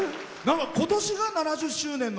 今年が７０周年の？